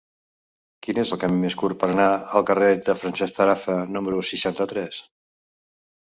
Quin és el camí més curt per anar al carrer de Francesc Tarafa número seixanta-tres?